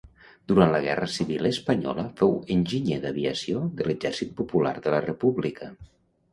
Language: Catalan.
Durant la guerra civil espanyola fou enginyer d'aviació de l'Exèrcit Popular de la República.